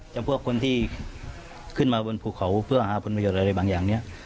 พวกคนที่ขึ้นมาบนภูเขาเพื่อหาผลประโยชน์อะไรบางอย่างเนี่ย